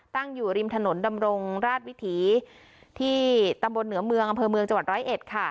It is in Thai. ตั้งอยู่ริมถนนดำรงราชวิถีที่ตำบลเหนือเมืองอำเภอเมืองจังหวัดร้อยเอ็ดค่ะ